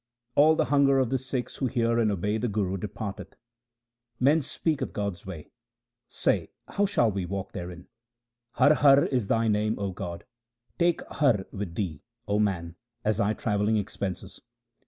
All the hunger of the Sikhs who hear and obey the Guru departeth. Men speak of God's way ; say how shall we walk therein ? Har Har is Thy name, O God ; take Har 1 with thee, O man, as thy travelling expenses.